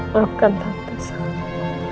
maafkan tante sama